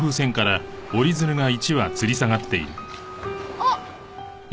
あっ！